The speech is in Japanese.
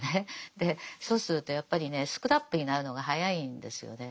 でそうするとやっぱりねスクラップになるのが早いんですよね。